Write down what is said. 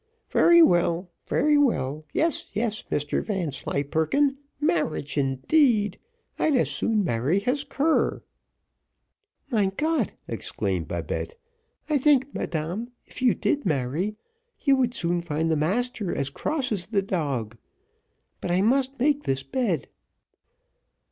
"Very well very well. Yes, yes, Mr Vanslyperken marriage, indeed, I'd as soon marry his cur." "Mein Gott!" exclaimed Babette. "I think madame, if you did marry, you would soon find the master as cross as the dog; but I must make this bed."